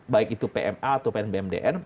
baik itu pma atau pnbmdn